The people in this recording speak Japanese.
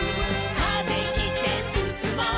「風切ってすすもう」